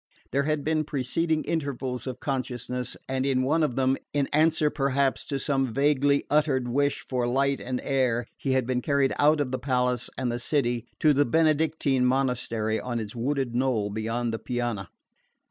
There had been preceding intervals of consciousness, and in one of them, in answer perhaps to some vaguely uttered wish for light and air, he had been carried out of the palace and the city to the Benedictine monastery on its wooded knoll beyond the Piana.